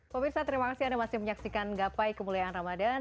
pemirsa terima kasih anda masih menyaksikan gapai kemuliaan ramadhan